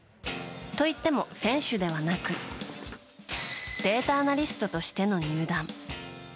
といっても、選手ではなくデータアナリストとしての入団。